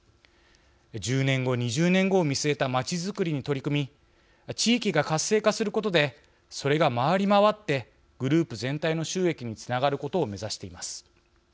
１０年後２０年後を見据えたまちづくりに取り組み地域が活性化することでそれが回り回ってグループ全体の収益につながることを目指しています。